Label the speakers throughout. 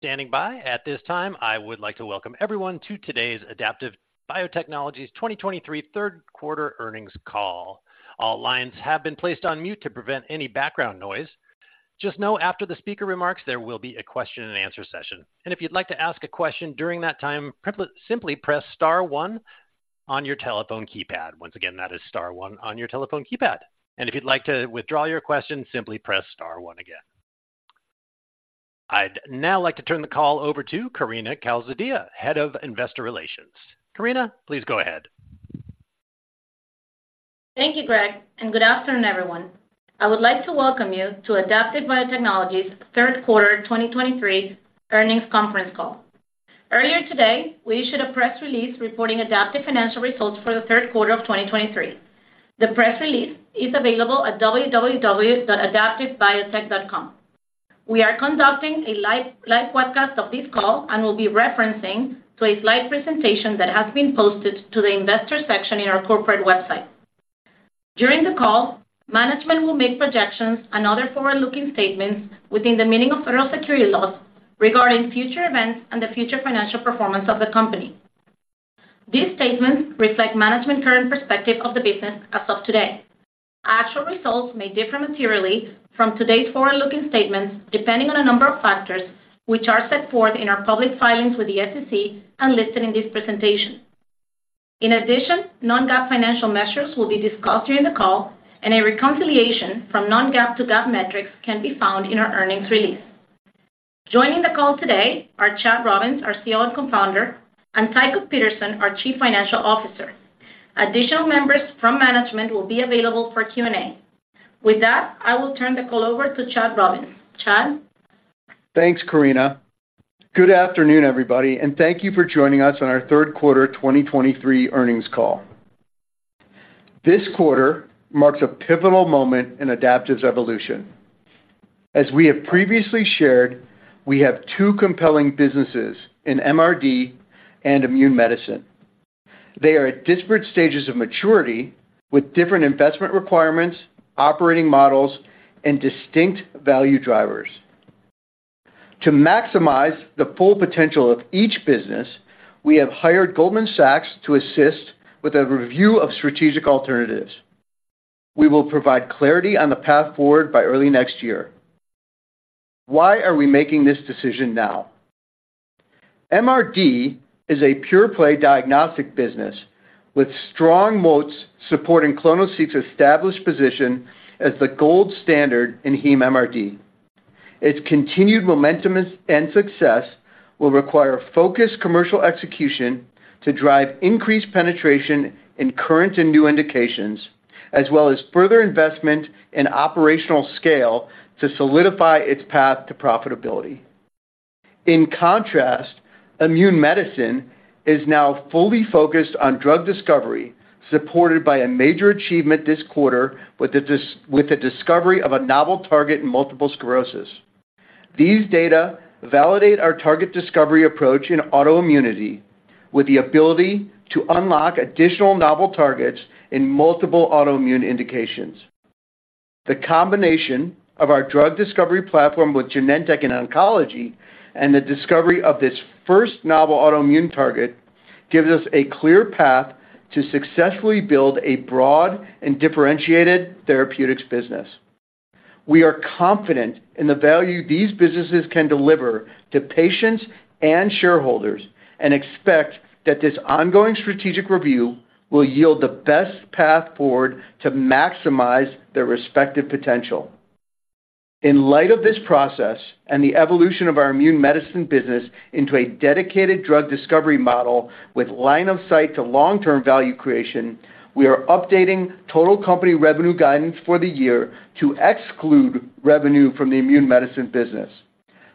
Speaker 1: Standing by. At this time, I would like to welcome everyone to today's Adaptive Biotechnologies' 2023 third quarter earnings call. All lines have been placed on mute to prevent any background noise. Just know, after the speaker remarks, there will be a question-and-answer session. And if you'd like to ask a question during that time, simply press star one on your telephone keypad. Once again, that is star one on your telephone keypad, and if you'd like to withdraw your question, simply press star one again. I'd now like to turn the call over to Karina Calzadilla, Head of Investor Relations. Karina, please go ahead.
Speaker 2: Thank you, Greg, and good afternoon, everyone. I would like to welcome you to Adaptive Biotechnologies' third quarter 2023 earnings conference call. Earlier today, we issued a press release reporting Adaptive financial results for the third quarter of 2023. The press release is available at www.adaptivebiotech.com. We are conducting a live webcast of this call and will be referring to a slide presentation that has been posted to the investor section in our corporate website. During the call, management will make projections and other forward-looking statements within the meaning of federal securities laws regarding future events and the future financial performance of the company. These statements reflect management's current perspective of the business as of today. Actual results may differ materially from today's forward-looking statements, depending on a number of factors which are set forth in our public filings with the SEC and listed in this presentation. In addition, non-GAAP financial measures will be discussed during the call, and a reconciliation from non-GAAP to GAAP metrics can be found in our earnings release. Joining the call today are Chad Robins, our CEO and Co-founder, and Tycho Peterson, our Chief Financial Officer. Additional members from management will be available for Q&A. With that, I will turn the call over to Chad Robins. Chad?
Speaker 3: Thanks, Karina. Good afternoon, everybody, and thank you for joining us on our third quarter 2023 earnings call. This quarter marks a pivotal moment in Adaptive's evolution. As we have previously shared, we have two compelling businesses in MRD and Immune Medicine. They are at disparate stages of maturity with different investment requirements, operating models, and distinct value drivers. To maximize the full potential of each business, we have hired Goldman Sachs to assist with a review of strategic alternatives. We will provide clarity on the path forward by early next year. Why are we making this decision now? MRD is a pure play diagnostic business with strong moats supporting clonoSEQ's established position as the gold standard in Heme MRD. Its continued momentum and success will require focused commercial execution to drive increased penetration in current and new indications, as well as further investment in operational scale to solidify its path to profitability. In contrast, Immune Medicine is now fully focused on drug discovery, supported by a major achievement this quarter with the discovery of a novel target in multiple sclerosis. These data validate our target discovery approach in autoimmunity, with the ability to unlock additional novel targets in multiple autoimmune indications. The combination of our drug discovery platform with Genentech in oncology and the discovery of this first novel autoimmune target gives us a clear path to successfully build a broad and differentiated therapeutics business. We are confident in the value these businesses can deliver to patients and shareholders and expect that this ongoing strategic review will yield the best path forward to maximize their respective potential. In light of this process and the evolution of our Immune Medicine business into a dedicated drug discovery model with line of sight to long-term value creation, we are updating total company revenue guidance for the year to exclude revenue from the Immune Medicine business.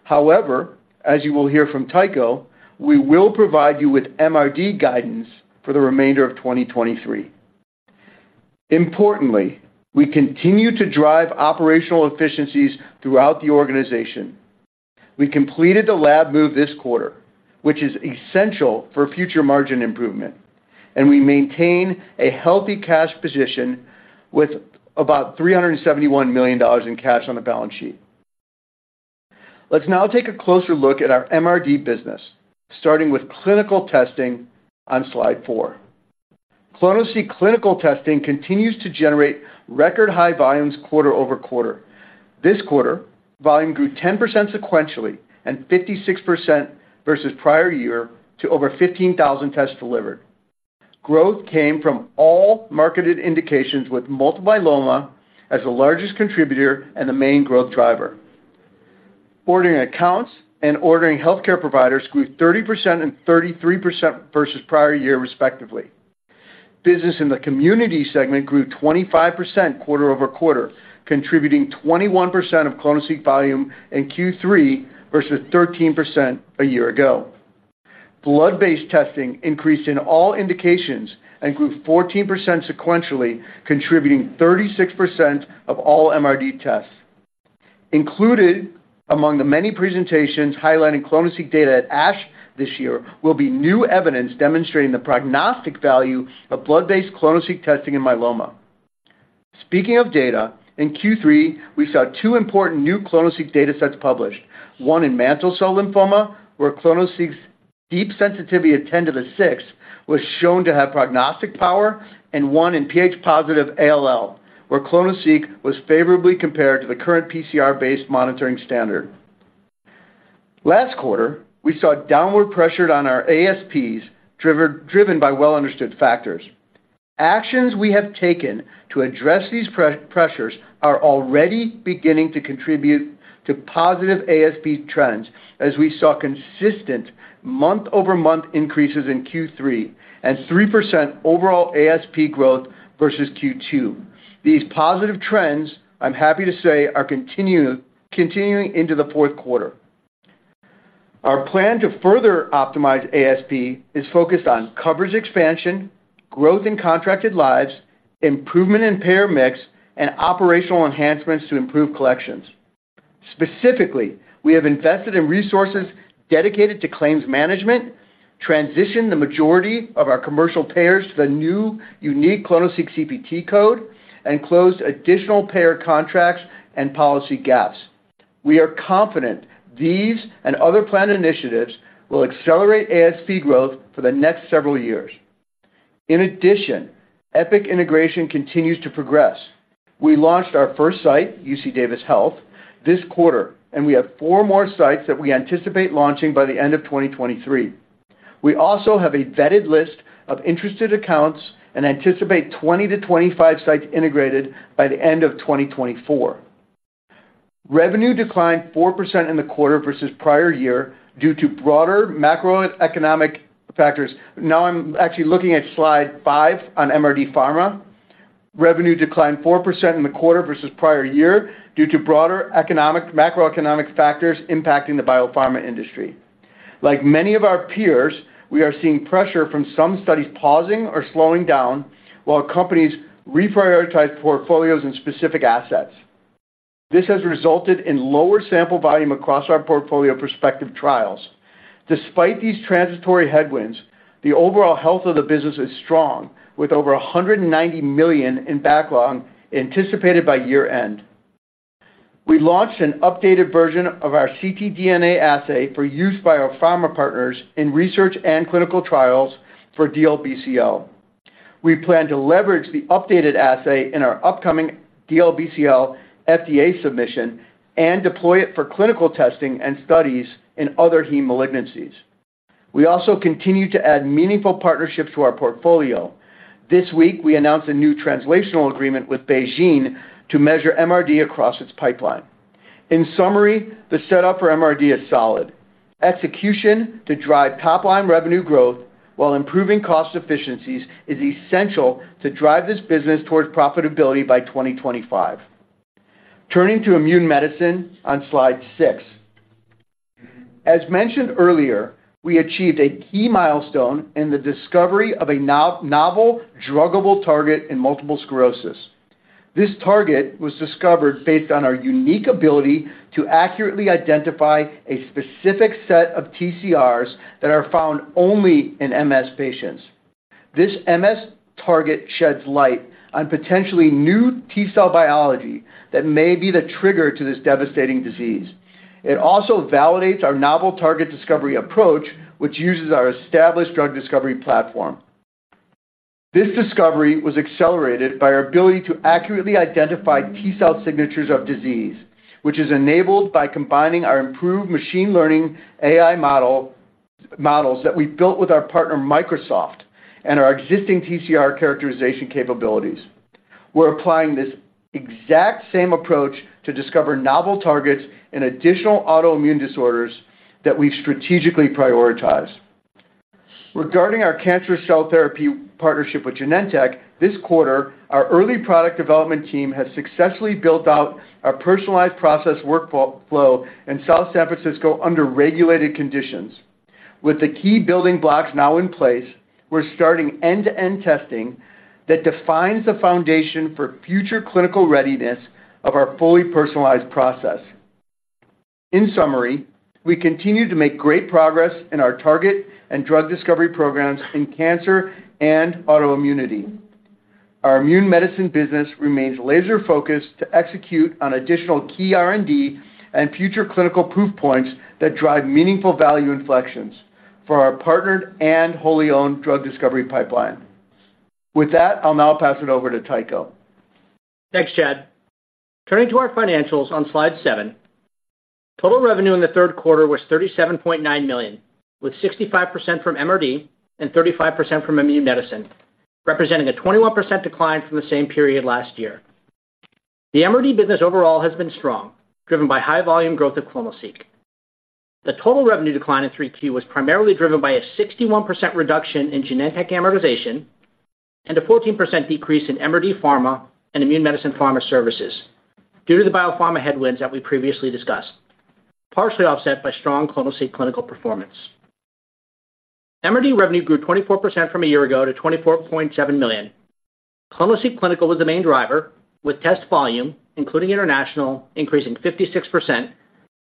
Speaker 3: However, as you will hear from Tycho, we will provide you with MRD guidance for the remainder of 2023. Importantly, we continue to drive operational efficiencies throughout the organization. We completed the lab move this quarter, which is essential for future margin improvement, and we maintain a healthy cash position with about $371 million in cash on the balance sheet. Let's now take a closer look at our MRD business, starting with clinical testing on slide four. clonoSEQ clinical testing continues to generate record high volumes QoQ. This quarter, volume grew 10% sequentially and 56% versus prior year to over 15,000 tests delivered. Growth came from all marketed indications, with multiple myeloma as the largest contributor and the main growth driver. Ordering accounts and ordering healthcare providers grew 30% and 33% versus prior year, respectively. Business in the community segment grew 25% QoQ, contributing 21% of clonoSEQ volume in Q3 versus 13% a year ago. Blood-based testing increased in all indications and grew 14% sequentially, contributing 36% of all MRD tests. Included among the many presentations highlighting clonoSEQ data at ASH this year will be new evidence demonstrating the prognostic value of blood-based clonoSEQ testing in myeloma. Speaking of data, in Q3, we saw two important new clonoSEQ data sets published. One in mantle cell lymphoma, where clonoSEQ's deep sensitivity of 10 to the 6th was shown to have prognostic power, and one in Ph-positive ALL, where clonoSEQ was favorably compared to the current PCR-based monitoring standard. Last quarter, we saw downward pressure on our ASPs, driven by well-understood factors. Actions we have taken to address these pressures are already beginning to contribute to positive ASP trends, as we saw consistent month-over-month increases in Q3 and 3% overall ASP growth versus Q2. These positive trends, I'm happy to say, are continuing into the fourth quarter. Our plan to further optimize ASP is focused on coverage expansion, growth in contracted lives, improvement in payer mix, and operational enhancements to improve collections. Specifically, we have invested in resources dedicated to claims management, transitioned the majority of our commercial payers to the new unique clonoSEQ CPT code, and closed additional payer contracts and policy gaps. We are confident these and other planned initiatives will accelerate ASP growth for the next several years. In addition, Epic integration continues to progress. We launched our first site, UC Davis Health, this quarter, and we have four more sites that we anticipate launching by the end of 2023. We also have a vetted list of interested accounts and anticipate 20-25 sites integrated by the end of 2024. Revenue declined 4% in the quarter versus prior year due to broader macroeconomic factors. Now, I'm actually looking at slide five on MRD Pharma. Revenue declined 4% in the quarter versus prior year due to broader economic... macroeconomic factors impacting the biopharma industry. Like many of our peers, we are seeing pressure from some studies pausing or slowing down while companies reprioritize portfolios and specific assets. This has resulted in lower sample volume across our portfolio of prospective trials. Despite these transitory headwinds, the overall health of the business is strong, with over $190 million in backlog anticipated by year-end. We launched an updated version of our ctDNA assay for use by our pharma partners in research and clinical trials for DLBCL. We plan to leverage the updated assay in our upcoming DLBCL FDA submission and deploy it for clinical testing and studies in other Heme malignancies. We also continue to add meaningful partnerships to our portfolio. This week, we announced a new translational agreement with BeiGene to measure MRD across its pipeline. In summary, the setup for MRD is solid. Execution to drive top-line revenue growth while improving cost efficiencies is essential to drive this business towards profitability by 2025. Turning to Immune Medicine on slide six. As mentioned earlier, we achieved a key milestone in the discovery of a novel druggable target in multiple sclerosis. This target was discovered based on our unique ability to accurately identify a specific set of TCRs that are found only in MS patients. This MS target sheds light on potentially new T cell biology that may be the trigger to this devastating disease. It also validates our novel target discovery approach, which uses our established drug discovery platform. This discovery was accelerated by our ability to accurately identify T-cell signatures of disease, which is enabled by combining our improved machine learning AI model, models that we built with our partner, Microsoft, and our existing TCR characterization capabilities. We're applying this exact same approach to discover novel targets in additional autoimmune disorders that we've strategically prioritized. Regarding our cancer cell therapy partnership with Genentech, this quarter, our early product development team has successfully built out our personalized process workflow flow in South San Francisco under regulated conditions. With the key building blocks now in place, we're starting end-to-end testing that defines the foundation for future clinical readiness of our fully personalized process. In summary, we continue to make great progress in our target and drug discovery programs in cancer and autoimmunity. Our Immune Medicine business remains laser-focused to execute on additional key R&D and future clinical proof points that drive meaningful value inflections for our partnered and wholly owned drug discovery pipeline. With that, I'll now pass it over to Tycho.
Speaker 4: Thanks, Chad. Turning to our financials on slide seven, total revenue in the third quarter was $37.9 million, with 65% from MRD and 35% from immune medicine, representing a 21% decline from the same period last year. The MRD business overall has been strong, driven by high volume growth of clonoSEQ. The total revenue decline in 3Q was primarily driven by a 61% reduction in Genentech amortization and a 14% decrease in MRD Pharma and Immune Medicine Pharma services due to the biopharma headwinds that we previously discussed, partially offset by strong clonoSEQ clinical performance. MRD revenue grew 24% from a year ago to $24.7 million. clonoSEQ Clinical was the main driver, with test volume, including international, increasing 56%.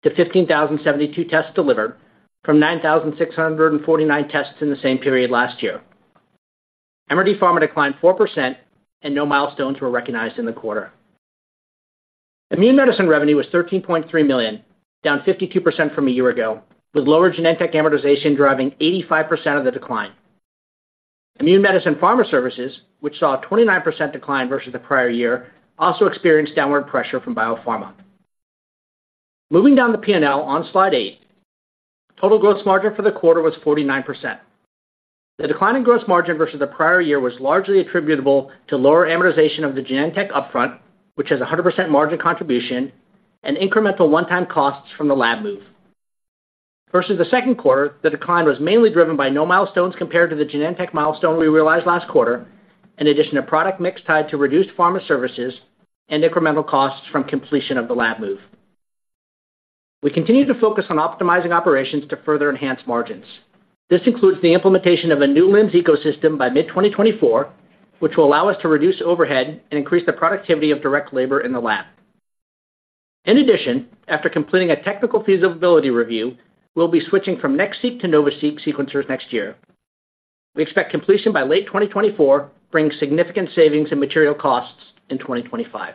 Speaker 4: To 15,072 tests delivered from 9,649 tests in the same period last year. MRD Pharma declined 4%, and no milestones were recognized in the quarter. Immune Medicine revenue was $13.3 million, down 52% from a year ago, with lower Genentech amortization driving 85% of the decline. Immune Medicine Pharma services, which saw a 29% decline versus the prior year, also experienced downward pressure from Biopharma. Moving down the P&L on slide eight, total gross margin for the quarter was 49%. The decline in gross margin versus the prior year was largely attributable to lower amortization of the Genentech upfront, which has a 100% margin contribution and incremental one-time costs from the lab move. Versus the second quarter, the decline was mainly driven by no milestones compared to the Genentech milestone we realized last quarter, in addition to product mix tied to reduced pharma services and incremental costs from completion of the lab move. We continue to focus on optimizing operations to further enhance margins. This includes the implementation of a new LIMS ecosystem by mid-2024, which will allow us to reduce overhead and increase the productivity of direct labor in the lab. In addition, after completing a technical feasibility review, we'll be switching from NextSeq to NovaSeq sequencers next year. We expect completion by late 2024, bringing significant savings and material costs in 2025.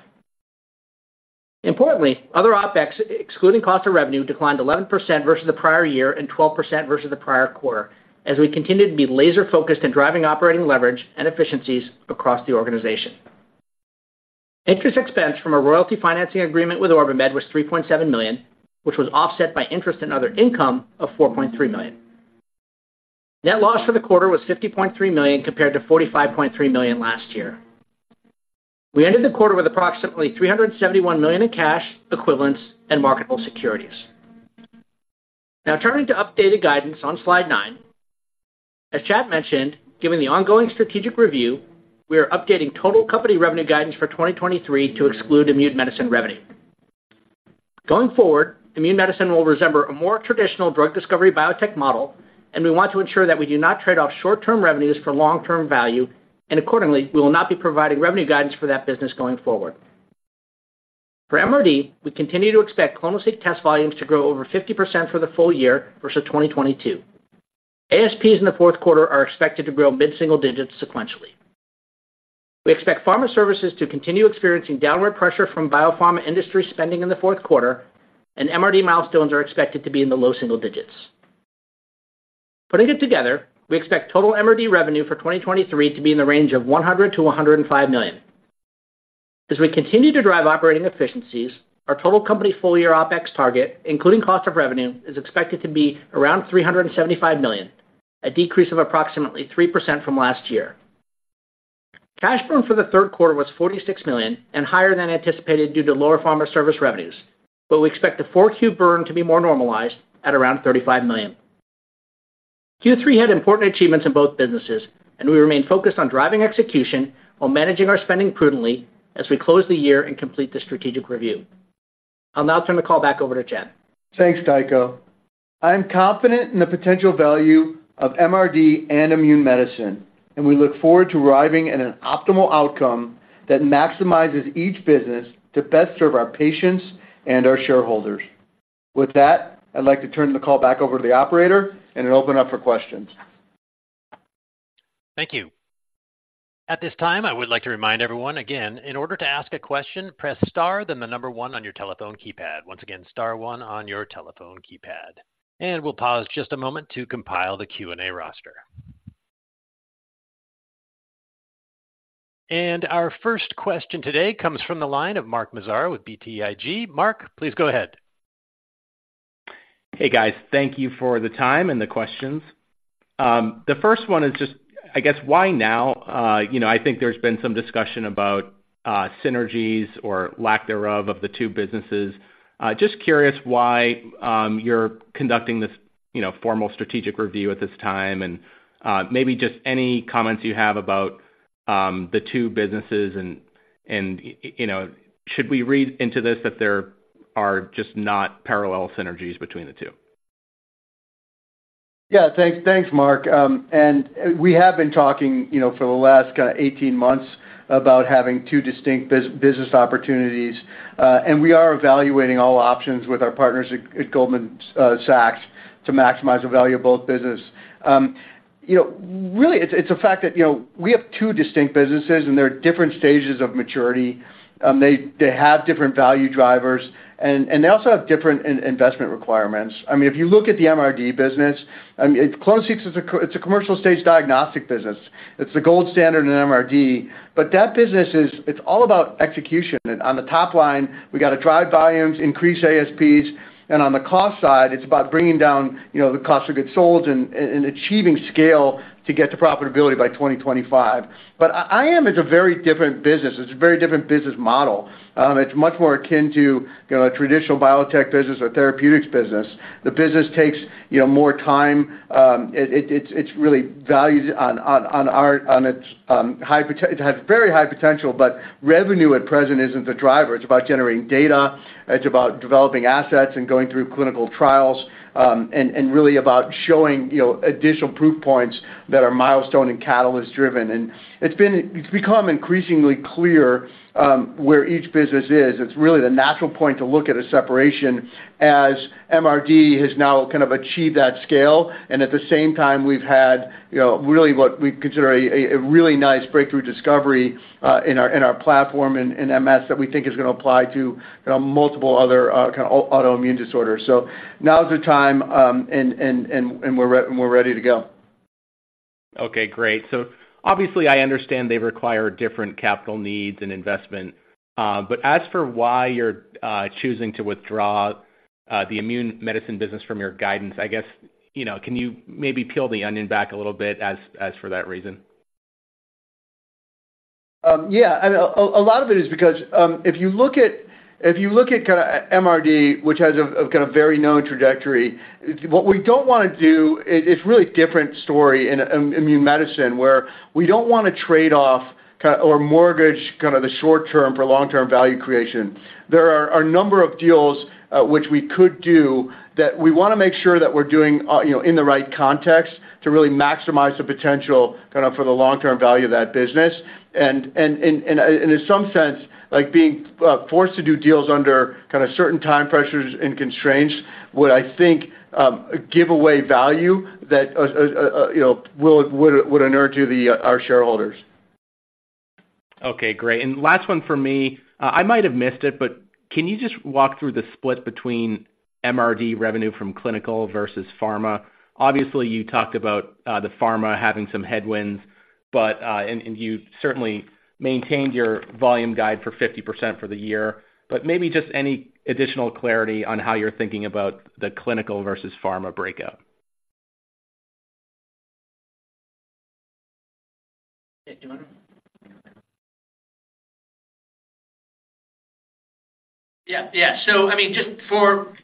Speaker 4: Importantly, other OpEx, excluding cost of revenue, declined 11% versus the prior year and 12% versus the prior quarter, as we continued to be laser-focused in driving operating leverage and efficiencies across the organization. Interest expense from a royalty financing agreement with OrbiMed was $3.7 million, which was offset by interest and other income of $4.3 million. Net loss for the quarter was $50.3 million, compared to $45.3 million last year. We ended the quarter with approximately $371 million in cash, equivalents, and marketable securities. Now turning to updated guidance on Slide nine. As Chad mentioned, given the ongoing strategic review, we are updating total company revenue guidance for 2023 to exclude Immune Medicine revenue. Going forward, Immune Medicine will resemble a more traditional drug discovery biotech model, and we want to ensure that we do not trade off short-term revenues for long-term value, and accordingly, we will not be providing revenue guidance for that business going forward. For MRD, we continue to expect clonoSEQ test volumes to grow over 50% for the full year versus 2022. ASPs in the fourth quarter are expected to grow mid-single digits sequentially. We expect pharma services to continue experiencing downward pressure from biopharma industry spending in the fourth quarter, and MRD milestones are expected to be in the low single digits. Putting it together, we expect total MRD revenue for 2023 to be in the range of $100 million-$105 million. As we continue to drive operating efficiencies, our total company full-year OpEx target, including cost of revenue, is expected to be around $375 million, a decrease of approximately 3% from last year. Cash burn for the third quarter was $46 million and higher than anticipated due to lower pharma service revenues, but we expect the Q4 burn to be more normalized at around $35 million. Q3 had important achievements in both businesses, and we remain focused on driving execution while managing our spending prudently as we close the year and complete the strategic review. I'll now turn the call back over to Chad.
Speaker 3: Thanks, Tycho. I am confident in the potential value of MRD and Immune Medicine, and we look forward to arriving at an optimal outcome that maximizes each business to best serve our patients and our shareholders. With that, I'd like to turn the call back over to the operator and open up for questions.
Speaker 1: Thank you. At this time, I would like to remind everyone again, in order to ask a question, press star, then the number one on your telephone keypad. Once again, star one on your telephone keypad. And we'll pause just a moment to compile the Q&A roster. And our first question today comes from the line of Mark Massaro with BTIG. Mark, please go ahead.
Speaker 5: Hey, guys. Thank you for the time and the questions. The first one is just, I guess, why now? You know, I think there's been some discussion about, synergies or lack thereof, of the two businesses. Just curious why, you're conducting this, you know, formal strategic review at this time, and, maybe just any comments you have about, the two businesses and, and, you know, should we read into this that there are just not parallel synergies between the two?
Speaker 3: Yeah, thanks, Mark. And we have been talking, you know, for the last 18 months about having two distinct business opportunities, and we are evaluating all options with our partners at Goldman Sachs to maximize the value of both businesses. You know, really, it's a fact that, you know, we have two distinct businesses, and they're at different stages of maturity. They have different value drivers, and they also have different investment requirements. I mean, if you look at the MRD business, I mean, clonoSEQ, it's a commercial-stage diagnostic business. It's the gold standard in MRD, but that business is... It's all about execution. On the top line, we got to drive volumes, increase ASPs, and on the cost side, it's about bringing down, you know, the cost of goods sold and achieving scale to get to profitability by 2025. But IM is a very different business. It's a very different business model. It's much more akin to, you know, a traditional Biotech business or therapeutics business. The business takes, you know, more time. It's really valued on its high potential, but revenue at present isn't the driver. It's about generating data, it's about developing assets and going through clinical trials, and really about showing, you know, additional proof points that are milestone and catalyst driven. It's become increasingly clear where each business is. It's really the natural point to look at a separation, as MRD has now kind of achieved that scale, and at the same time, we've had, you know, really what we consider a really nice breakthrough discovery in our platform in MS, that we think is going to apply to, you know, multiple other kind of autoimmune disorders. So now is the time, and we're ready to go.
Speaker 5: Okay, great. So obviously, I understand they require different capital needs and investment. But as for why you're choosing to withdraw the Immune Medicine business from your guidance, I guess, you know, can you maybe peel the onion back a little bit as, as for that reason?
Speaker 3: Yeah, and a lot of it is because if you look at kinda MRD, which has a kinda very known trajectory, what we don't wanna do is—it's really different story in immune medicine, where we don't wanna trade off or mortgage kinda the short term for long-term value creation. There are a number of deals which we could do that we wanna make sure that we're doing, you know, in the right context to really maximize the potential kinda for the long-term value of that business. And in some sense, like, being forced to do deals under kinda certain time pressures and constraints would, I think, give away value that, you know, would inure to our shareholders.
Speaker 5: Okay, great. And last one for me. I might have missed it, but can you just walk through the split between MRD revenue from clinical versus pharma? Obviously, you talked about the pharma having some headwinds, but and you certainly maintained your volume guide for 50% for the year, but maybe just any additional clarity on how you're thinking about the clinical versus pharma breakout.
Speaker 4: Yeah, yeah. So I mean, just for...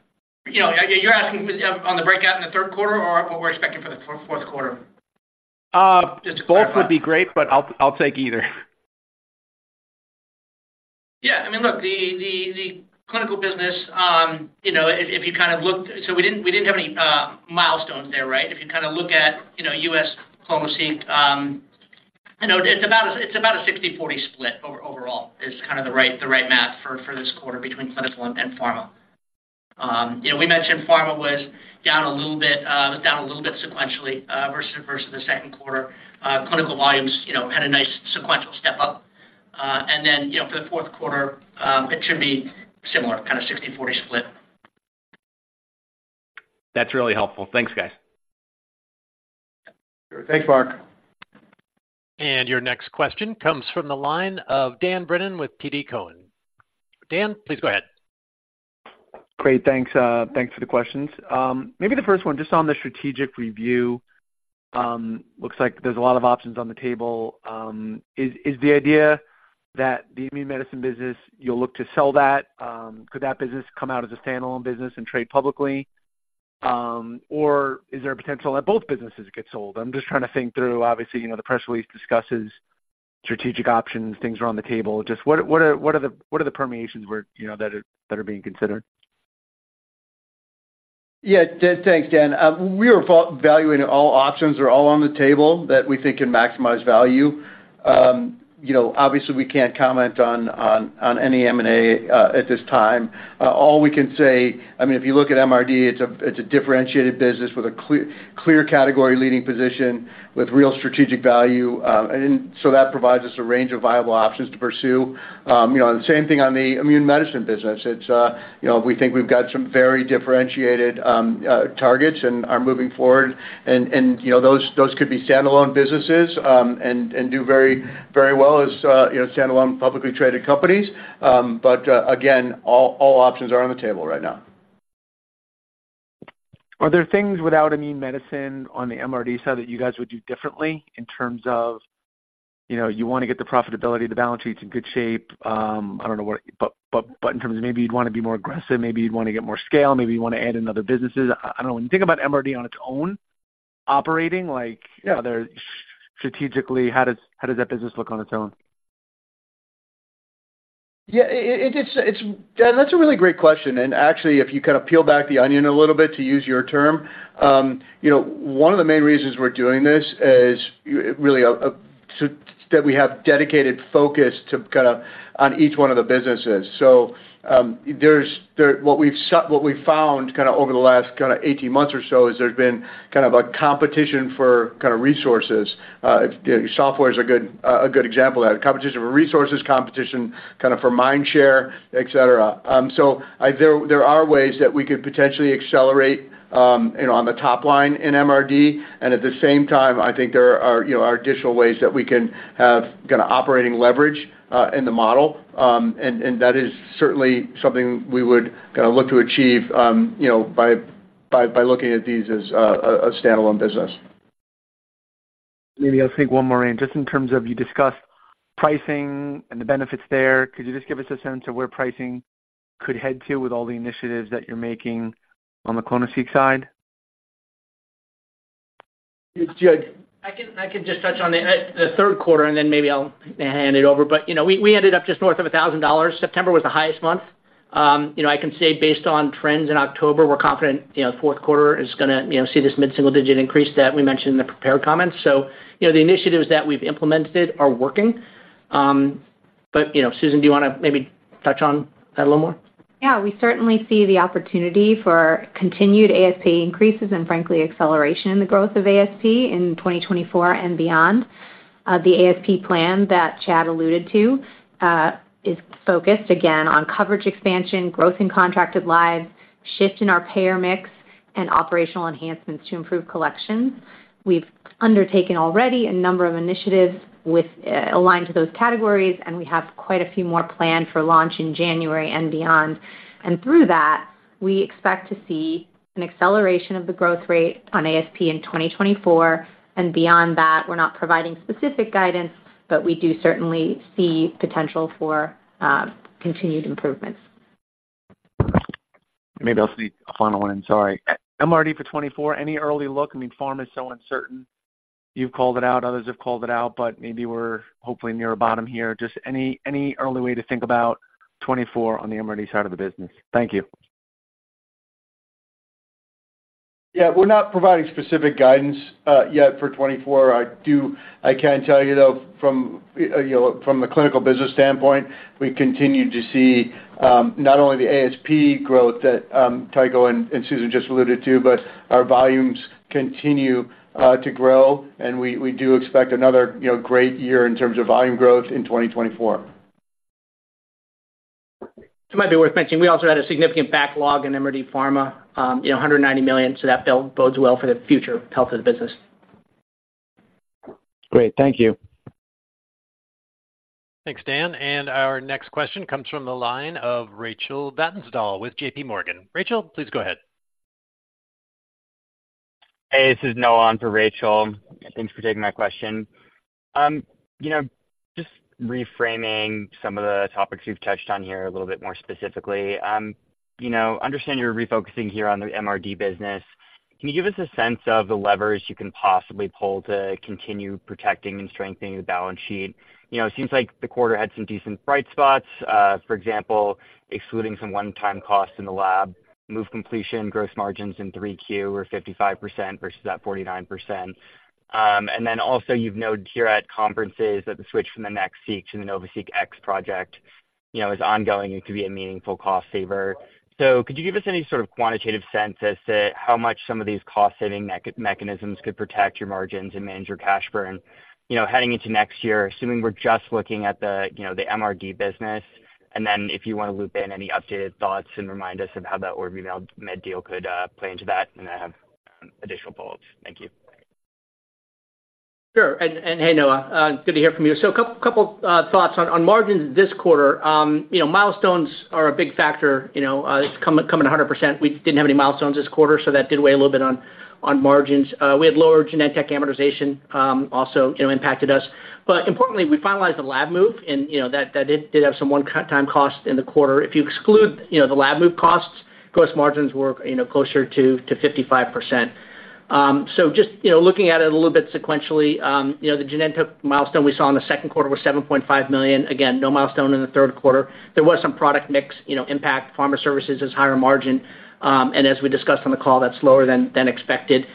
Speaker 4: You know, you're asking for on the breakout in the third quarter or what we're expecting for the fourth quarter? Just to clarify.
Speaker 5: Both would be great, but I'll take either.
Speaker 4: Yeah, I mean, look, the clinical business, you know, if you kind of look. So we didn't have any milestones there, right? If you kinda look at, you know, U.S. clonoSEQ, you know, it's about a 60/40 split overall, is kinda the right math for this quarter between clinical and pharma. You know, we mentioned pharma was down a little bit, down a little bit sequentially versus the second quarter. Clinical volumes, you know, had a nice sequential step up. And then, you know, for the fourth quarter, it should be similar, kinda 60/40 split.
Speaker 5: That's really helpful. Thanks, guys.
Speaker 3: Thanks, Mark.
Speaker 1: Your next question comes from the line of Dan Brennan with TD Cowen. Dan, please go ahead.
Speaker 6: Great, thanks. Thanks for the questions. Maybe the first one, just on the strategic review, looks like there's a lot of options on the table. Is, is the idea that the Immune Medicine business, you'll look to sell that? Could that business come out as a standalone business and trade publicly? Or is there a potential that both businesses get sold? I'm just trying to think through. Obviously, you know, the press release discusses strategic options, things are on the table. Just what are the permutations where, you know, that are being considered?
Speaker 3: Yeah, Dan. Thanks, Dan. We are evaluating all options. They're all on the table that we think can maximize value. You know, obviously, we can't comment on any M&A at this time. All we can say, I mean, if you look at MRD, it's a differentiated business with a clear, clear category leading position with real strategic value. And so that provides us a range of viable options to pursue. You know, and the same thing on the Immune Medicine business. It's, you know, we think we've got some very differentiated targets and are moving forward and, you know, those could be standalone businesses, and do very, very well as, you know, standalone publicly traded companies. But, again, all options are on the table right now.
Speaker 6: Are there things without Immune Medicine on the MRD side that you guys would do differently in terms of, you know, you wanna get the profitability, the balance sheet's in good shape, I don't know what... But, but, but in terms of maybe you'd wanna be more aggressive, maybe you'd wanna get more scale, maybe you wanna add in other businesses. I don't know. When you think about MRD on its own, operating like-
Speaker 3: Yeah...
Speaker 6: strategically, how does that business look on its own?
Speaker 3: Yeah, it's-- Dan, that's a really great question, and actually, if you kind of peel back the onion a little bit, to use your term, you know, one of the main reasons we're doing this is really so that we have dedicated focus to kinda on each one of the businesses. So, there's, there-- What we've sa- what we've found kinda over the last kinda 18 months or so is there's been kind of a competition for kinda resources. Software is a good, a good example of that. A competition for resources, competition kind of for mind share, et cetera. So there are ways that we could potentially accelerate, you know, on the top line in MRD, and at the same time, I think there are, you know, additional ways that we can have kinda operating leverage in the model. And that is certainly something we would kinda look to achieve, you know, by looking at these as a standalone business.
Speaker 6: Maybe I'll take one more in, just in terms of you discussed pricing and the benefits there. Could you just give us a sense of where pricing could head to with all the initiatives that you're making on the clonoSEQ side?
Speaker 3: Sure.
Speaker 4: I can, I can just touch on the, the third quarter, and then maybe I'll hand it over. But, you know, we, we ended up just north of $1,000. September was the highest month. You know, I can say based on trends in October, we're confident, you know, fourth quarter is gonna, you know, see this mid-single-digit increase that we mentioned in the prepared comments. So, you know, the initiatives that we've implemented are working. But, you know, Susan, do you wanna maybe touch on that a little more?
Speaker 7: Yeah. We certainly see the opportunity for continued ASP increases and frankly, acceleration in the growth of ASP in 2024 and beyond. The ASP plan that Chad alluded to is focused again on coverage expansion, growth in contracted lives, shift in our payer mix and operational enhancements to improve collections. We've undertaken already a number of initiatives with aligned to those categories, and we have quite a few more planned for launch in January and beyond. And through that, we expect to see an acceleration of the growth rate on ASP in 2024, and beyond that, we're not providing specific guidance, but we do certainly see potential for continued improvements.
Speaker 6: Maybe I'll sneak a final one in. Sorry. MRD for 2024, any early look? I mean, pharma is so uncertain. You've called it out, others have called it out, but maybe we're hopefully near a bottom here. Just any early way to think about 2024 on the MRD side of the business? Thank you.
Speaker 3: Yeah, we're not providing specific guidance yet for 2024. I do—I can tell you, though, from, you know, from the clinical business standpoint, we continue to see not only the ASP growth that Tycho and Susan just alluded to, but our volumes continue to grow, and we do expect another, you know, great year in terms of volume growth in 2024.
Speaker 4: It might be worth mentioning, we also had a significant backlog in MRD pharma, you know, $190 million, so that bill bodes well for the future health of the business.
Speaker 6: Great. Thank you.
Speaker 1: Thanks, Dan. And our next question comes from the line of Rachel Vatnsdal with JPMorgan. Rachel, please go ahead.
Speaker 8: Hey, this is Noah on for Rachel. Thanks for taking my question. You know, just reframing some of the topics we've touched on here a little bit more specifically. You know, understand you're refocusing here on the MRD business. Can you give us a sense of the levers you can possibly pull to continue protecting and strengthening the balance sheet? You know, it seems like the quarter had some decent bright spots. For example, excluding some one-time costs in the lab move completion, gross margins in 3Q were 55% versus that 49%. And then also, you've noted here at conferences that the switch from the NextSeq to the NovaSeq X project, you know, is ongoing. It could be a meaningful cost saver. So could you give us any sort of quantitative sense as to how much some of these cost-saving mechanisms could protect your margins and manage your cash burn? You know, heading into next year, assuming we're just looking at the, you know, the MRD business, and then if you want to loop in any updated thoughts and remind us of how that OrbiMed deal could play into that, and I have additional follows. Thank you.
Speaker 4: Sure. And hey, Noah, good to hear from you. So a couple thoughts on margins this quarter. You know, milestones are a big factor, you know, it's coming 100%. We didn't have any milestones this quarter, so that did weigh a little bit on margins. We had lower Genentech amortization, also, you know, impacted us. But importantly, we finalized the lab move, and, you know, that did have some one-time cost in the quarter. If you exclude, you know, the lab move costs, gross margins were, you know, closer to 55%. So just, you know, looking at it a little bit sequentially, you know, the Genentech milestone we saw in the second quarter was $7.5 million. Again, no milestone in the third quarter. There was some product mix, you know, impact. Pharma services is higher margin, and as we discussed on the call, that's lower than expected.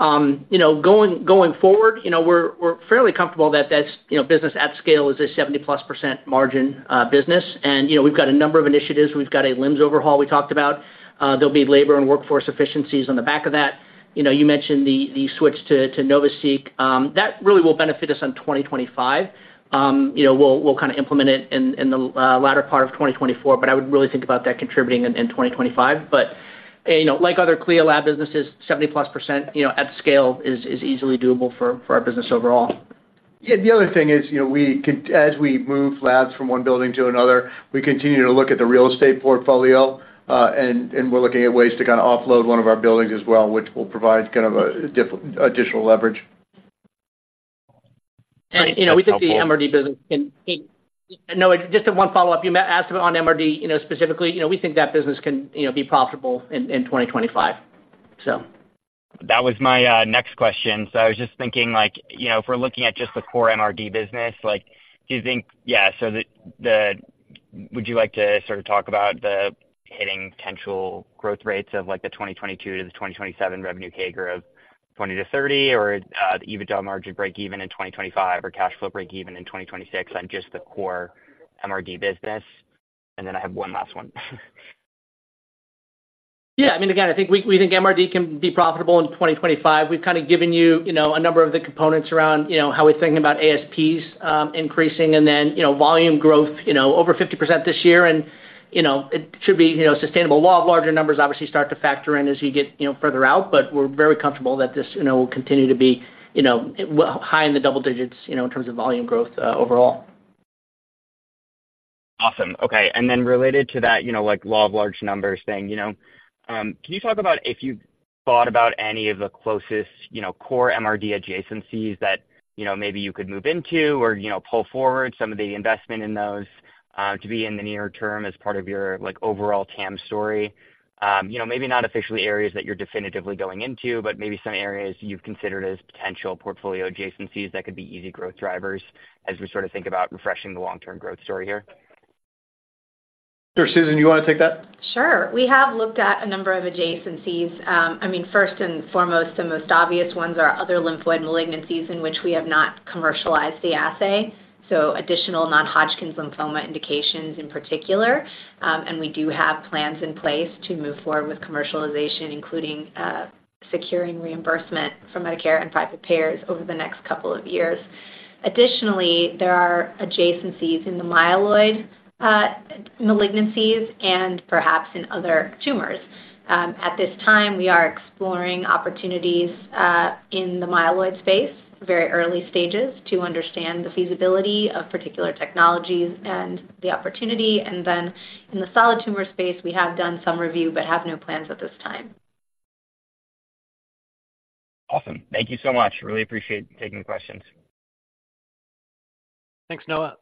Speaker 4: You know, going forward, you know, we're fairly comfortable that that's, you know, business at scale is a +70% margin business. You know, we've got a number of initiatives. We've got a LIMS overhaul we talked about. There'll be labor and workforce efficiencies on the back of that. You know, you mentioned the switch to NovaSeq. That really will benefit us on 2025. You know, we'll kind of implement it in the latter part of 2024, but I would really think about that contributing in 2025. But, you know, like other CLIA lab businesses, +70%, you know, at scale is easily doable for our business overall.
Speaker 3: Yeah, the other thing is, you know, as we move labs from one building to another, we continue to look at the real estate portfolio, and we're looking at ways to kind of offload one of our buildings as well, which will provide kind of additional leverage.
Speaker 4: You know, we think the MRD business can... Noah, just one follow-up. You asked on MRD, you know, specifically, you know, we think that business can, you know, be profitable in, in 2025, so.
Speaker 8: That was my next question. So I was just thinking, like, you know, if we're looking at just the core MRD business, like, do you think... Yeah, so would you like to sort of talk about the hitting potential growth rates of, like, the 2022 to the 2027 revenue CAGR of 20-30, or the EBITDA margin break even in 2025, or cash flow break even in 2026 on just the core MRD business? And then I have one last one.
Speaker 4: Yeah, I mean, again, I think we think MRD can be profitable in 2025. We've kind of given you, you know, a number of the components around, you know, how we're thinking about ASPs increasing and then, you know, volume growth, you know, over 50% this year, and, you know, it should be, you know, sustainable. Law of large numbers obviously start to factor in as you get, you know, further out, but we're very comfortable that this, you know, will continue to be high in the double digits, you know, in terms of volume growth overall.
Speaker 8: Awesome. Okay, and then related to that, you know, like, law of large numbers thing, you know. Can you talk about if you've thought about any of the closest, you know, core MRD adjacencies that, you know, maybe you could move into or, you know, pull forward some of the investment in those, to be in the near term as part of your, like, overall TAM story? You know, maybe not officially areas that you're definitively going into, but maybe some areas you've considered as potential portfolio adjacencies that could be easy growth drivers as we sort of think about refreshing the long-term growth story here.
Speaker 3: Sure. Susan, you want to take that?
Speaker 7: Sure. We have looked at a number of adjacencies. I mean, first and foremost, the most obvious ones are other lymphoid malignancies in which we have not commercialized the assay, so additional non-Hodgkin lymphoma indications in particular. And we do have plans in place to move forward with commercialization, including securing reimbursement from Medicare and private payers over the next couple of years. Additionally, there are adjacencies in the myeloid malignancies and perhaps in other tumors. At this time, we are exploring opportunities in the myeloid space, very early stages, to understand the feasibility of particular technologies and the opportunity. And then in the solid tumor space, we have done some review, but have no plans at this time.
Speaker 3: Awesome. Thank you so much. Really appreciate you taking the questions.
Speaker 1: Thanks, Noah.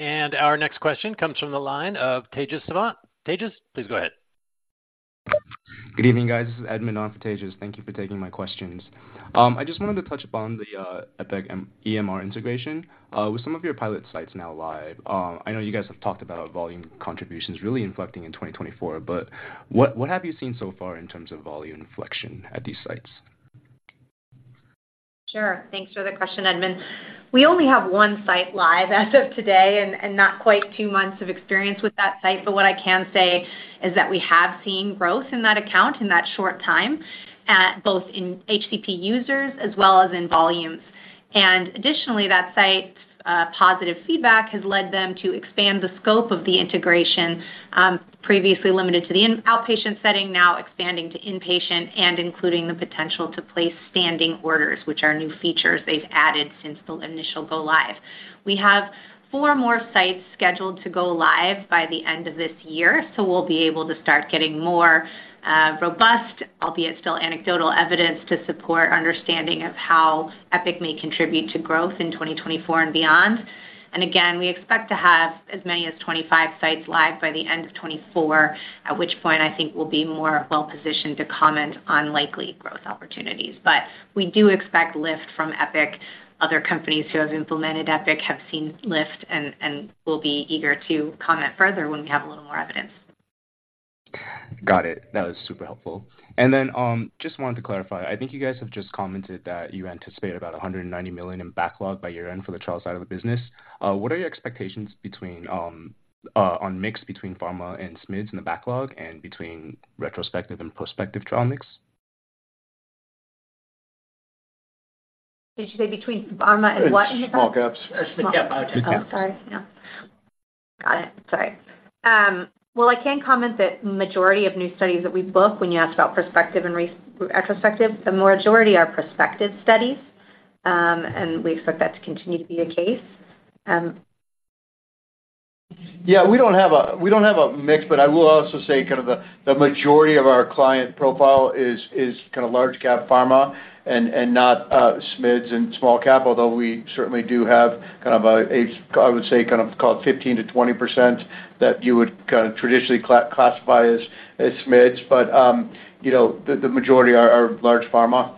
Speaker 1: Our next question comes from the line of Tejas Savant. Tejas, please go ahead.
Speaker 9: Good evening, guys. This is Edmund on for Tejas. Thank you for taking my questions. I just wanted to touch upon the Epic EMR integration. With some of your pilot sites now live, I know you guys have talked about volume contributions really inflecting in 2024, but what, what have you seen so far in terms of volume inflection at these sites?
Speaker 7: Sure. Thanks for the question, Edmund. We only have one site live as of today and not quite two months of experience with that site, but what I can say is that we have seen growth in that account in that short time, both in HCP users as well as in volumes. And additionally, that site's positive feedback has led them to expand the scope of the integration, previously limited to the in-outpatient setting, now expanding to inpatient and including the potential to place standing orders, which are new features they've added since the initial go-live. We have four more sites scheduled to go live by the end of this year, so we'll be able to start getting more robust, albeit still anecdotal, evidence to support understanding of how Epic may contribute to growth in 2024 and beyond. Again, we expect to have as many as 25 sites live by the end of 2024, at which point I think we'll be more well-positioned to comment on likely growth opportunities. But we do expect lift from Epic. Other companies who have implemented Epic have seen lift, and we'll be eager to comment further when we have a little more evidence.
Speaker 9: Got it. That was super helpful. And then, just wanted to clarify: I think you guys have just commented that you anticipate about $190 million in backlog by year-end for the trial side of the business. What are your expectations between, on mix between pharma and SMIDs in the backlog and between retrospective and prospective trial mix?
Speaker 7: Did you say between pharma and what?
Speaker 3: Small caps.
Speaker 9: Yeah, biotech.
Speaker 7: Oh, sorry. Yeah. Got it. Sorry. Well, I can comment that majority of new studies that we book, when you ask about prospective and retrospective, the majority are prospective studies. And we expect that to continue to be the case.
Speaker 3: Yeah, we don't have a mix, but I will also say the majority of our client profile is kind of large cap pharma and not SMIDs and small cap, although we certainly do have kind of a I would say kind of call it 15%-20% that you would kind of traditionally classify as SMIDs. But you know the majority are large pharma.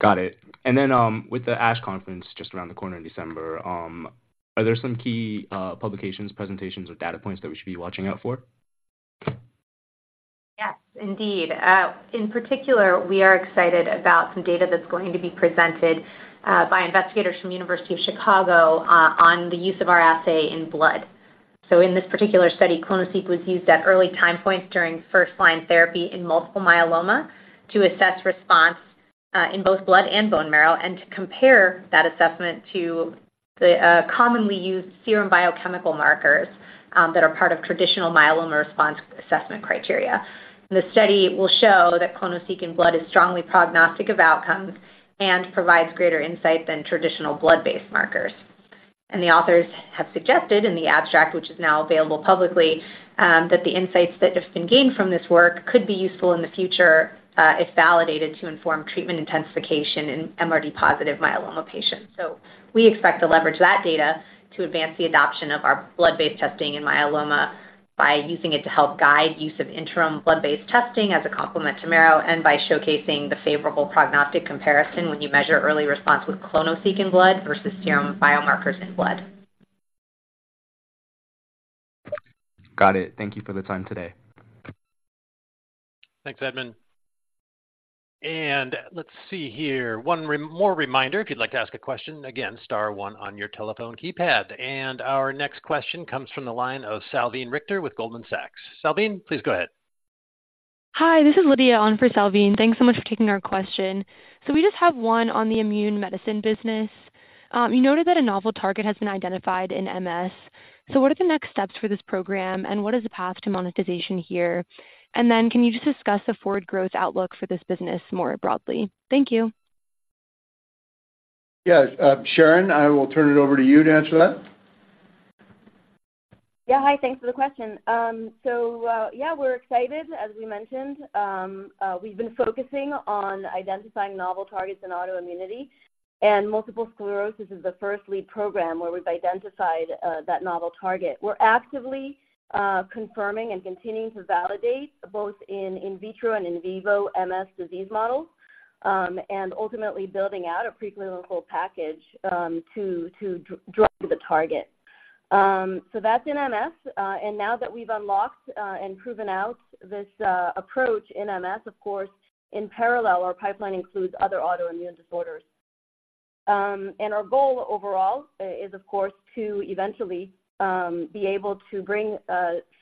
Speaker 9: Got it. And then, with the ASH conference just around the corner in December, are there some key publications, presentations, or data points that we should be watching out for?
Speaker 7: Yes, indeed. In particular, we are excited about some data that's going to be presented by investigators from University of Chicago on the use of our assay in blood. So in this particular study, clonoSEQ was used at early time points during first-line therapy in multiple myeloma to assess response in both blood and bone marrow and to compare that assessment to the commonly used serum biochemical markers that are part of traditional myeloma response assessment criteria. The study will show that clonoSEQ in blood is strongly prognostic of outcomes and provides greater insight than traditional blood-based markers. And the authors have suggested in the abstract, which is now available publicly, that the insights that have been gained from this work could be useful in the future, if validated, to inform treatment intensification in MRD-positive myeloma patients. So we expect to leverage that data to advance the adoption of our blood-based testing in myeloma by using it to help guide use of interim blood-based testing as a complement to marrow and by showcasing the favorable prognostic comparison when you measure early response with clonoSEQ in blood versus serum biomarkers in blood.
Speaker 9: Got it. Thank you for the time today.
Speaker 3: Thanks, Edmund.
Speaker 1: And let's see here. One more reminder, if you'd like to ask a question, again, star one on your telephone keypad. And our next question comes from the line of Puneet Souda with Goldman Sachs. Puneet, please go ahead.
Speaker 10: Hi, this is Lydia on for Puneet. Thanks so much for taking our question. So we just have one on the Immune Medicine business. You noted that a novel target has been identified in MS. So what are the next steps for this program, and what is the path to monetization here? And then can you just discuss the forward growth outlook for this business more broadly? Thank you.
Speaker 3: Yes. Sharon, I will turn it over to you to answer that.
Speaker 11: Yeah. Hi, thanks for the question. Yeah, we're excited. As we mentioned, we've been focusing on identifying novel targets in autoimmunity, and multiple sclerosis is the first lead program where we've identified that novel target. We're actively confirming and continuing to validate, both in vitro and in vivo MS disease models, and ultimately building out a preclinical package to draw the target. So that's in MS, and now that we've unlocked and proven out this approach in MS, of course, in parallel, our pipeline includes other autoimmune disorders.... And our goal overall is of course to eventually be able to bring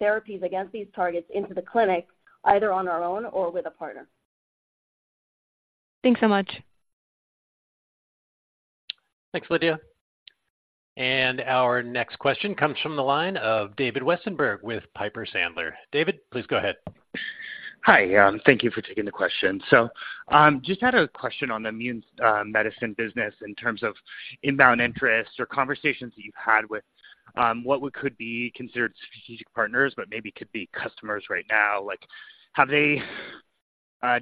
Speaker 11: therapies against these targets into the clinic, either on our own or with a partner.
Speaker 10: Thanks so much.
Speaker 3: Thanks, Lydia.
Speaker 1: Our next question comes from the line of David Westenberg with Piper Sandler. David, please go ahead.
Speaker 12: Hi, thank you for taking the question. So, just had a question on the immune, medicine business in terms of inbound interest or conversations that you've had with, what would could be considered strategic partners, but maybe could be customers right now. Like, have they,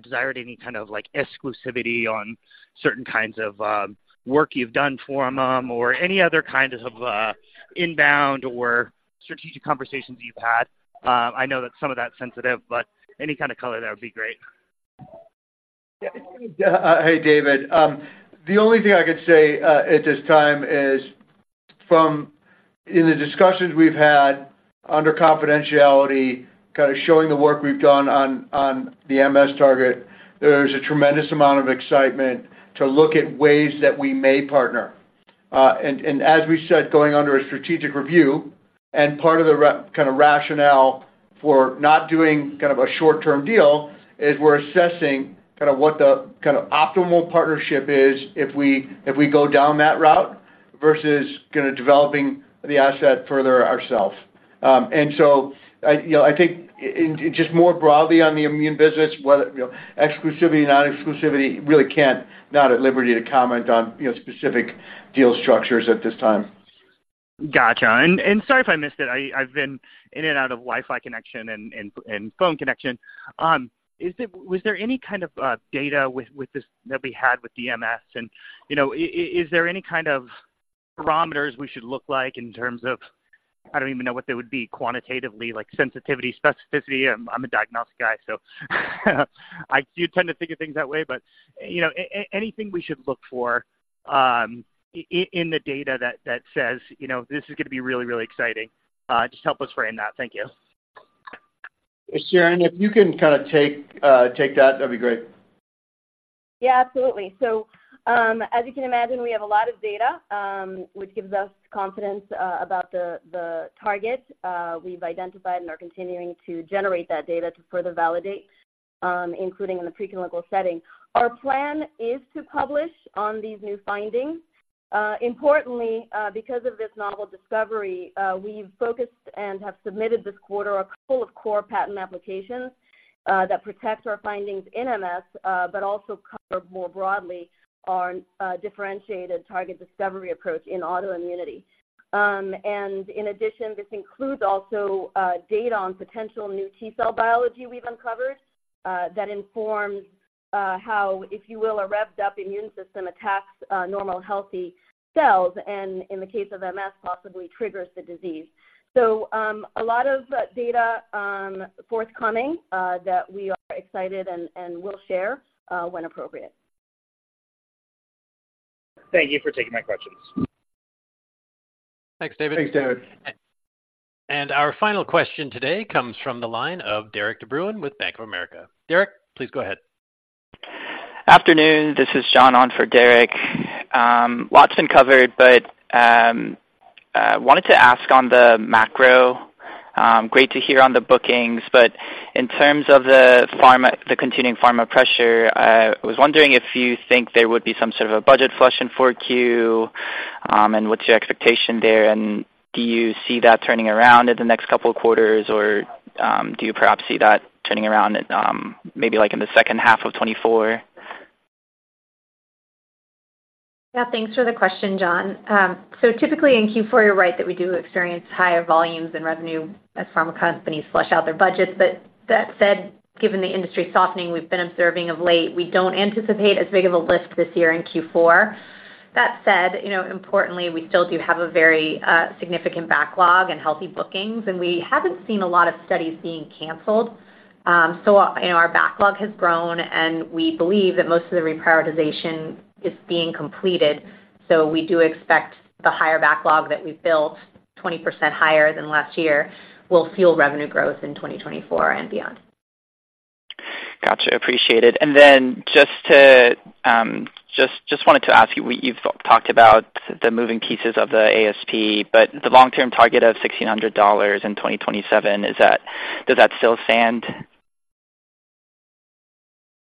Speaker 12: desired any kind of, like, exclusivity on certain kinds of, work you've done for them, or any other kinds of, inbound or strategic conversations you've had? I know that some of that's sensitive, but any kind of color, that would be great.
Speaker 3: Yeah. Hey, David. The only thing I could say at this time is from in the discussions we've had under confidentiality, kinda showing the work we've done on, on the MS target, there's a tremendous amount of excitement to look at ways that we may partner. And as we said, going under a strategic review and part of the kinda rationale for not doing kind of a short-term deal, is we're assessing kinda what the kinda optimal partnership is if we, if we go down that route versus kinda developing the asset further ourself. And so, you know, I think just more broadly on the immune business, whether, you know, exclusivity, non-exclusivity, really can't, not at liberty to comment on, you know, specific deal structures at this time.
Speaker 12: Gotcha. And sorry if I missed it, I've been in and out of Wi-Fi connection and phone connection. Was there any kind of data with this that we had with MS? And, you know, is there any kind of parameters we should look like in terms of, I don't even know what they would be quantitatively, like sensitivity, specificity? I'm a diagnostic guy, so I do tend to think of things that way, but, you know, anything we should look for, in the data that says, you know, this is gonna be really, really exciting? Just help us frame that. Thank you.
Speaker 3: Sharon, if you can kinda take, take that, that'd be great.
Speaker 11: Yeah, absolutely. So, as you can imagine, we have a lot of data, which gives us confidence about the target we've identified and are continuing to generate that data to further validate, including in the preclinical setting. Our plan is to publish on these new findings. Importantly, because of this novel discovery, we've focused and have submitted this quarter a couple of core patent applications that protect our findings in MS, but also cover more broadly our differentiated target discovery approach in autoimmunity. And in addition, this includes also data on potential new T cell biology we've uncovered that informs how, if you will, a revved up immune system attacks normal healthy cells, and in the case of MS, possibly triggers the disease. So, a lot of data forthcoming that we are excited and will share when appropriate.
Speaker 12: Thank you for taking my questions.
Speaker 3: Thanks, David.
Speaker 4: Thanks, David.
Speaker 1: Our final question today comes from the line of Derek De Bruin with Bank of America. Derek, please go ahead.
Speaker 13: Afternoon. This is John on for Derek. Lots been covered, but wanted to ask on the macro, great to hear on the bookings, but in terms of the pharma, the continuing pharma pressure, I was wondering if you think there would be some sort of a budget flush in Q4, and what's your expectation there? And do you see that turning around in the next couple of quarters, or do you perhaps see that turning around at maybe like in the second half of 2024?
Speaker 7: Yeah, thanks for the question, John. So typically in Q4, you're right, that we do experience higher volumes in revenue as pharma companies flush out their budgets. But that said, given the industry softening we've been observing of late, we don't anticipate as big of a lift this year in Q4. That said, you know, importantly, we still do have a very significant backlog and healthy bookings, and we haven't seen a lot of studies being canceled. So, you know, our backlog has grown, and we believe that most of the reprioritization is being completed. So we do expect the higher backlog that we've built, 20% higher than last year, will fuel revenue growth in 2024 and beyond.
Speaker 13: Gotcha. Appreciate it. And then just to just wanted to ask you, we've talked about the moving pieces of the ASP, but the long-term target of $1,600 in 2027, is that... Does that still stand?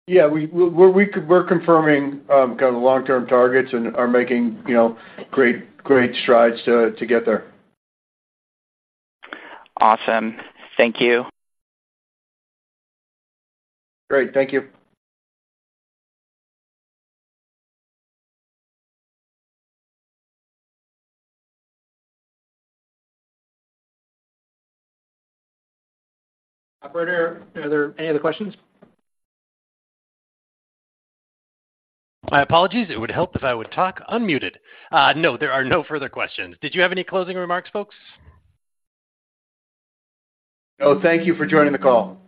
Speaker 3: Yeah, we're confirming kind of long-term targets and are making, you know, great strides to get there.
Speaker 13: Awesome. Thank you.
Speaker 3: Great. Thank you. Operator, are there any other questions?
Speaker 1: My apologies. It would help if I would talk unmuted. No, there are no further questions. Did you have any closing remarks, folks?
Speaker 3: No, thank you for joining the call.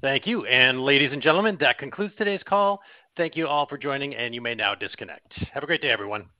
Speaker 1: Thank you. And ladies and gentlemen, that concludes today's call. Thank you all for joining, and you may now disconnect. Have a great day, everyone.